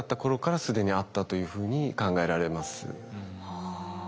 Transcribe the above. はあ。